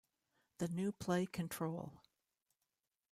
The New Play Control!